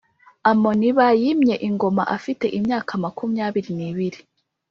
Amonib yimye ingoma afite imyaka makumyabiri n’ibiri